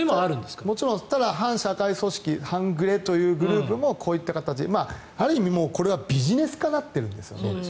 ただ、反社会組織半グレというグループもこういった形ある意味、これはビジネス化になってるんです。